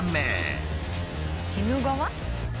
鬼怒川。